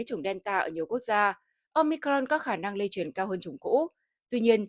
chủng delta ở nhiều quốc gia omicron có khả năng lây truyền cao hơn chủng cũ tuy nhiên